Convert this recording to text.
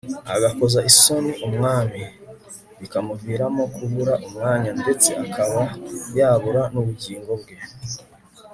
agakoza isoni umwami, bikamuviramo kubura umwanya ndetse akaba yabura n'ubugingo bwe